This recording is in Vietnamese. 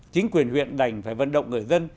chính quyền huyện đành phải vận động người dân